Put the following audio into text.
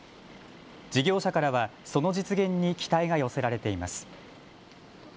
事業者からはその実現に期待が寄せられています。